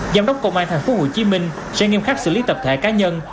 giám đốc công an tp hcm sẽ nghiêm khắc xử lý tập thể cá nhân